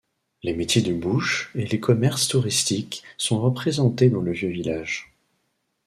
Les métiers de bouche et les commerces touristiques sont représentés dans le vieux village.